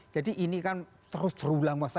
jadi ini kan terus berulang mas